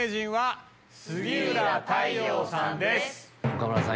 岡村さん